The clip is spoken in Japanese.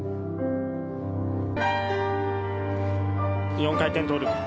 ４回転トーループ。